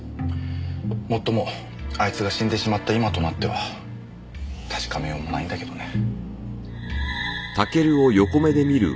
もっともあいつが死んでしまった今となっては確かめようもないんだけどね。